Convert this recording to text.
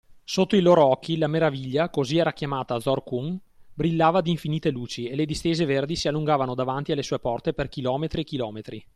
Sotto i loro occhi, la Meraviglia, così era chiamata Zorqun, brillava di infinite luci, e le distese verdi si allungavano davanti alle sue porte per chilometri e chilometri.